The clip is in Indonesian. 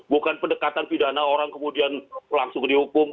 bukan pendekatan pidana orang kemudian langsung dihukum